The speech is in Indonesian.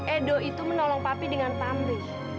edo itu menolong papi dengan pamrih